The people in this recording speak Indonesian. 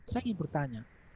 saya ingin bertanya